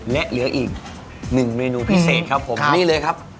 และเหลืออีก๑ปีเศษครับผมนี่เลยครับ